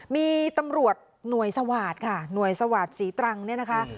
มีตำรวจหน่วยสวาสตร์ค่ะหน่วยสวาสตศรีตรังเนี่ยนะคะ